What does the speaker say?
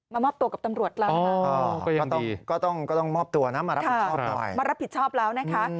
มามอบตัวกับตำรวจแล้วค่ะก็ต้องมอบตัวนะมารับผิดชอบแล้วนะคะ